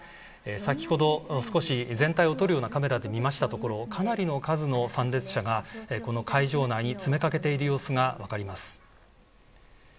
先ほど、全体を撮るようなカメラで見ましたところかなりの数の参列者がこの会場内に詰めかけている様子が分かります。